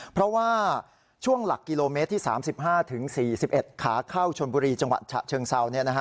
เพราะว่าช่วงหลักกิโลเมตรที่๓๕๔๑ขาเข้าชนบุรีจังหวัดฉะเชิงเซา